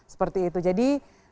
seperti itu jadi